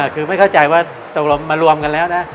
คือไม่เข้าใจว่าตกลงมารวมกันแล้วนะ